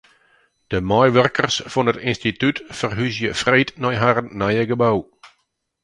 De meiwurkers fan it ynstitút ferhúzje freed nei harren nije gebou.